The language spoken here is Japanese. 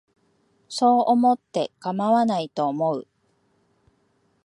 そう思ってかまわないと思う